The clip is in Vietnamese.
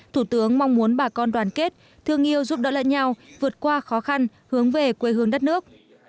thủ tướng mong muốn bà con đoàn kết thương yêu giúp đỡ lẫn nhau vượt qua khó khăn hướng về quê hương đất nước